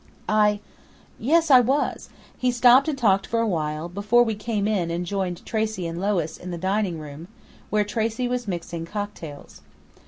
"I yes, I was! He stopped and talked for a while, before we came in and joined Tracey and Lois in the dining room, where Tracey was mixing cocktails....